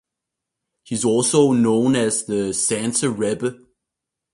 He is also known as the Sanzer Rebbe.